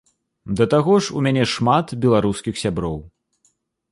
Да таго ж у мяне шмат беларускіх сяброў.